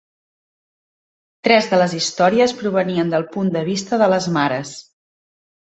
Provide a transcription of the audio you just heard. Tres de les històries provenien del punt de vista de les mares.